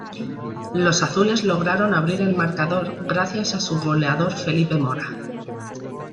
Los azules lograron abrir el marcador gracias a su goleador Felipe Mora.